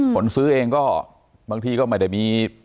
คนซื้อเองก็บางทีก็ไม่ได้มี